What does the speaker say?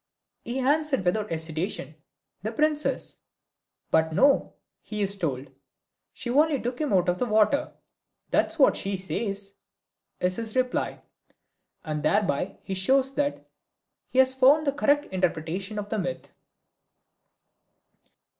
He answered without hesitation, the Princess. But no, he is told, she only took him out of the water. "That's what she says," is his reply, and thereby he shows that he has found the correct interpretation of the myth.